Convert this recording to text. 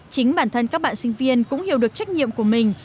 chính bản thân các bạn sinh viên cũng hiểu được trách nhiệm của mình